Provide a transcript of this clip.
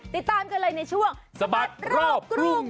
ติดตามกันเลยในช่วงสะบัดรอบกรุง